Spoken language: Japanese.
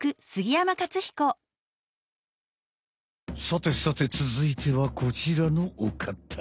さてさてつづいてはこちらのおかた。